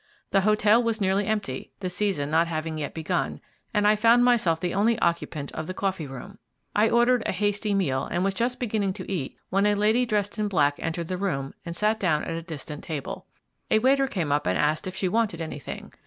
The hotel was nearly empty, the season not having yet begun, and I found myself the only occupant of the coffee room. I ordered a hasty meal, and was just beginning to eat when a lady dressed in black entered the room and sat down at a distant table. A waiter came up and asked if she wanted anything.